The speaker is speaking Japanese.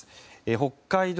北海道